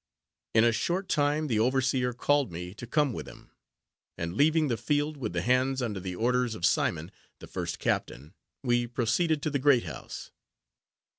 In a short time the overseer called me to come with him; and, leaving the field with the hands under the orders of Simon, the first captain, we proceeded to the great house.